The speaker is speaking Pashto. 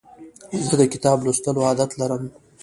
زه د کتاب لوستلو عادت لرم.